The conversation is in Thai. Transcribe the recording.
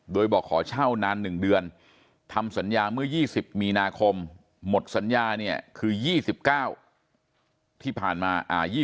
โดยบอกขอเช่านาน๑เดือนทำสัญญาเมื่อ๒๐มีนาคมหมดสัญญาเนี่ยคือ๒๙ที่ผ่านมา